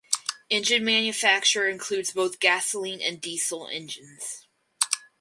Engine manufacture includes both gasoline and diesel engines.